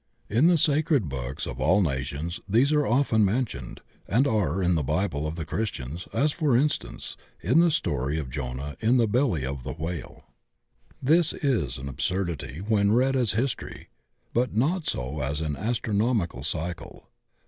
In the sacred books of all nations these are often mentioned, and are in the Bible of the Christians, as, for instance, in the story of Jonah in the belly of the whale. This 122 THE OCEAN OF THEOSOPHY is an absurdity when read as history, but not so as an astronomical cycle.